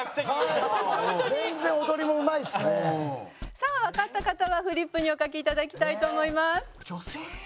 さあわかった方はフリップにお書きいただきたいと思います。